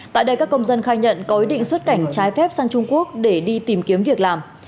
tại đây các công dân khai nhận có ý định xuất cảnh trái phép sang trung quốc để đi tìm kiếm việc làm